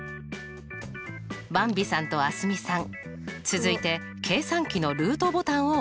ばんびさんと蒼澄さん続いて計算機の√ボタンを押します。